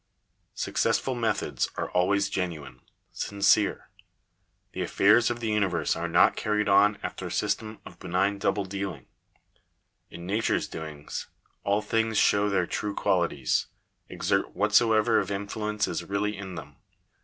Successful methods are always genuine, sincere. The affairs of the universe are not carried on after a system of benign double dealing. In nature's doings all things show their true qualities — exert whatsoever of influence is really in them.